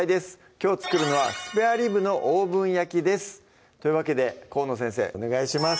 きょう作るのは「スペアリブのオーブン焼き」ですというわけで河野先生お願いします